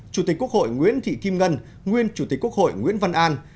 chủ tịch quốc hội nguyễn thị kim ngân nguyên chủ tịch quốc hội nguyễn văn an